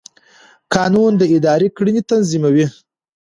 قانون د ادارې کړنې تنظیموي.